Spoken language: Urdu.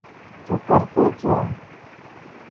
تو کرتے کیا۔